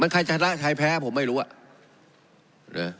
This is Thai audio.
ไข้จะนะแพ้ผมไม่รู้อา